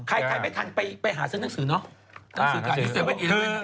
ใครที่ไม่ทันไปหาเสื้อนักสือเนาะ